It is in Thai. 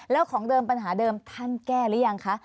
แล้วของเดิมปัญหาเดิมท่านแก้หรือยังคะ